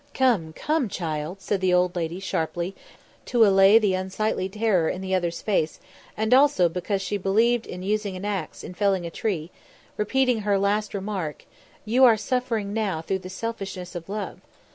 "Come, come, child," said the old lady sharply, and to allay the unsightly terror in the other's face, and also because she believed in using an axe in felling a tree, repeated her last remark. "You are suffering now through the selfishness of love.